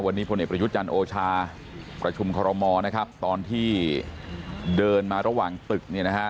วันนี้พลเอกประยุทธ์จันทร์โอชาประชุมขอรมอตอนที่เดินมาระหว่างตึก